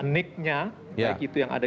nick nya baik itu yang ada